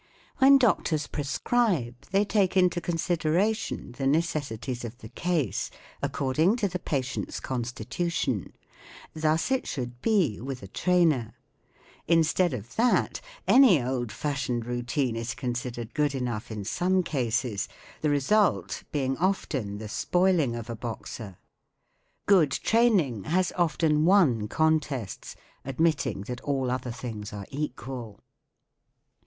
When doctors prescribe, they take into con¬ sideration the necessities of the case, according to the patient's constitution. Thus it should be with a trainer* Instead of that, any old fashioned routine is considered good enough in some cases, the result being often the spoiling of a boxer. Good training has often won contests, admitting that all other things arc equal.